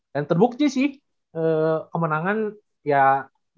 dan terbukti sih kemenangan ya beruntun